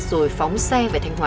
rồi phóng xe về thanh hóa